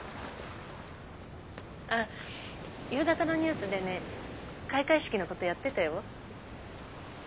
あ夕方のニュースでね開会式のことやってたよ。